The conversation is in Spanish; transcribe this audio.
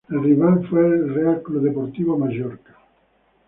El rival fue el R. C. D. Mallorca.